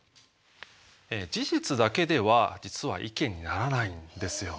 事実だけでは実は意見にならないんですよね。